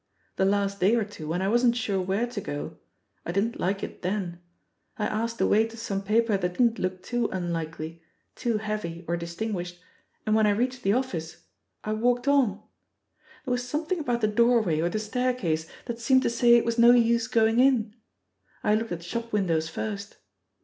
The last day or two, when I wasn't sure where to go — I didn't like it then! I asked the way to some paper that didn't look too unlikely, too heavy or distinguished, and when I reached the office — I walked on! There was something about the doorway or the stair case that seemed to say it was no use going in. I looked at shop windows first.